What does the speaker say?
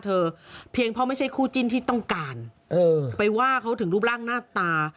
เพียงเพราะไม่ใช่คู่จิ้นที่ต้องการไปว่าเขาถึงรูปร่างหน้าตา